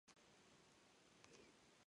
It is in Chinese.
当时郡守和大司农都举荐戴封。